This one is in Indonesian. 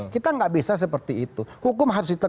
kita tidak bisa seperti itu hukum harus